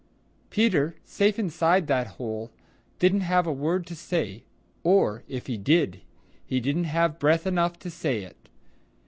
Peter, safe inside that hole, didn't have a word to say, or, if he did, he didn't have breath enough to say it.